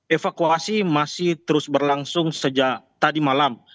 evakuasi masih terus berlangsung sejak tadi malam